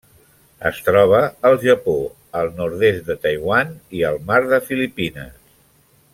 Es troba al Japó, el nord-est de Taiwan i el Mar de Filipines.